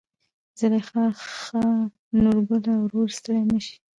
زليخا: ښا نورګله وروره ستړى مشې.